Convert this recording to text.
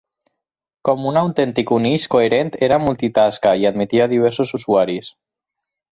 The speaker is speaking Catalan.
Com un autèntic Unix, Coherent era multitasca i admetia diversos usuaris.